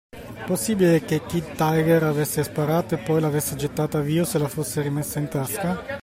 Possibile che Kid Tiger avesse sparato e poi l'avesse gettata via o se la fosse rimessa in tasca?